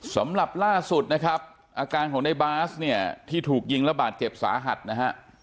สำหรับล่าสุดนะครับอาการของในบาสเนี่ยที่ถูกยิงระบาดเจ็บสาหัสนะฮะ